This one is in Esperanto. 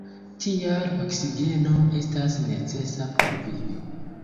Tial, oksigeno estas necesa por vivi.